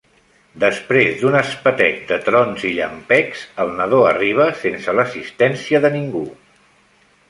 Després d'un espetec de trons i llampecs, el nadó arriba sense l'assistència de ningú.